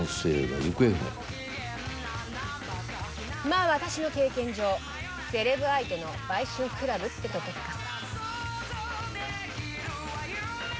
まあ私の経験上セレブ相手の売春クラブってとこか。